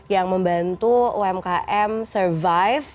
yang membantu umkm survive